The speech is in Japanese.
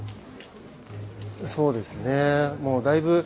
そうですね。